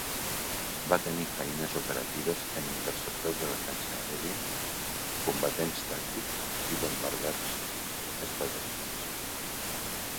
Va tenir feines operatives en interceptors de defensa aèria, combatents tàctics i bombarders estratègics.